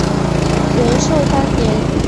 仁寿三年。